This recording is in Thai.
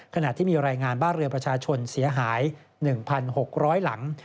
ขณะที่มีรายงานบ้านเรือประชาชนเสียหาย๑๖๐๐หลัง